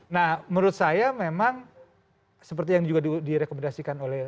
nah menurut saya memang seperti yang juga direkomendasikan oleh